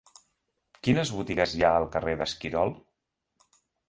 Quines botigues hi ha al carrer d'Esquirol?